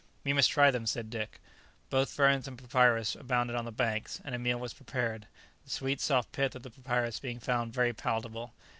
"We must try them," said Dick. Both ferns and papyrus abounded on the banks, and a meal was prepared, the sweet soft pith of the papyrus being found very palatable.